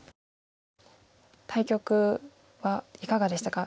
対局はいかがでしたか？